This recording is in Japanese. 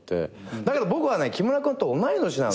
だけど僕はね木村君と同い年なの。